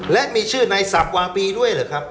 และมีชื่อในสับวาปีด้วยเหรอครับ